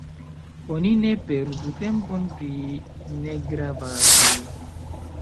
Oni ne perdu tempon pri negravaĵoj.